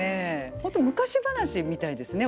ホント昔話みたいですね。